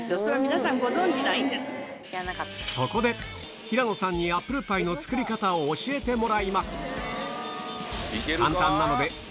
そこで平野さんにアップルパイの作り方を教えてもらいます